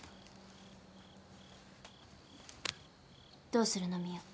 どうするの？